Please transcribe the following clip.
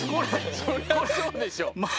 そりゃそうでしょ。